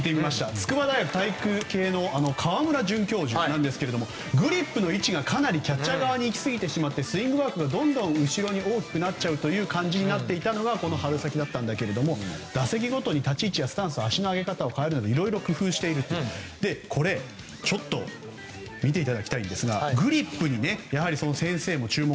筑波大学体育系の川村准教授ですがグリップの位置がキャッチャー側に行き過ぎてスイングワークがどんどん後ろに大きくなってきちゃうというのがこの春先だったんだけども打席ごとに、立ち位置やスタンス足の上げ方を変えるなどいろいろ工夫していてこれ、ちょっと見ていただきたいんですがグリップに注目。